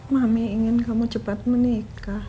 mami ingin kamu cepat menikah